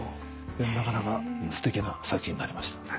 なかなかすてきな作品になりました。